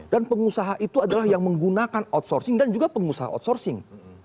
dan pengusaha itu adalah yang menggunakan outsourcing dan juga pengusaha outsourcing